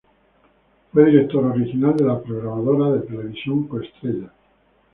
Fue director original de la programadora de televisión Coestrellas.